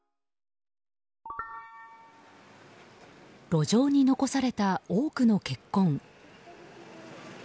路上に残された多くの血痕。